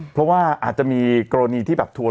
เพราะว่าอาจจะมีกรณีที่แบบทัวร์